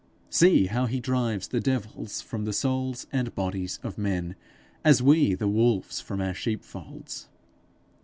See how he drives the devils from the souls and bodies of men, as we the wolves from our sheepfolds!